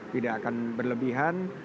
tidak akan berlebihan